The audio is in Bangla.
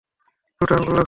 দুটো আঙুল রাখো।